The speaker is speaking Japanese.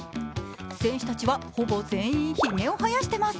選手たちはほぼ全員ひげをはやしています。